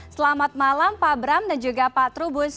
selamat malam pak bram dan juga pak trubus